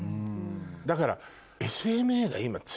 だから。